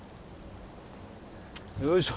よいしょ。